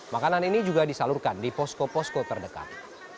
makanan ini juga disalurkan di posko posko terdekat